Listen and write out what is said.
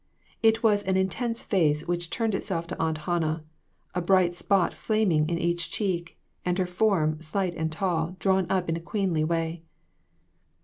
It was an intense face which turned itself to Aunt Hannah, a bright spot flam ing in each cheek, and her form, slight and tall, drawn up in a queenly way.